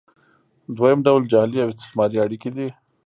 دویم ډول جعلي او استثماري اړیکې دي.